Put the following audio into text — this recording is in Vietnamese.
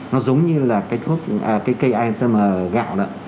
nó giống như là cây atm gạo đó